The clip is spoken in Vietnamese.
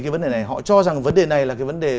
cái vấn đề này họ cho rằng vấn đề này là cái vấn đề